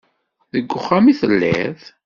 Deg uxxam i telliḍ?